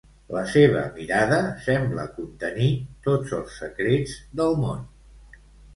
La seva mirada sembla contenir tots els secrets del món.